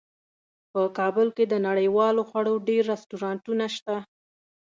په کابل کې د نړیوالو خوړو ډیر رستورانتونه شته